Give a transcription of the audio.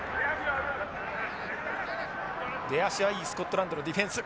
出足がいいスコットランドのディフェンス。